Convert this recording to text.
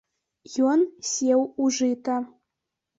Ён сеў у жыта.